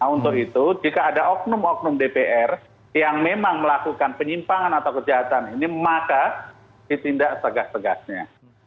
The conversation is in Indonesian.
untuk itu jika ada oknum oknum dpr yang memang melakukan penyimpangan atau kejahatan ini maka ditindak tegas tegasnya